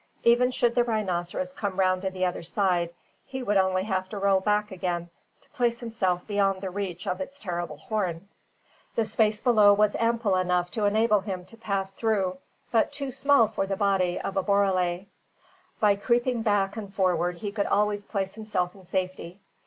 Even should the rhinoceros come round to the other side, he would only have to roll back again to place himself beyond the reach of its terrible horn. The space below was ample enough to enable him to pass through, but too small for the body of a borele. By creeping back and forward he could always place himself in safety.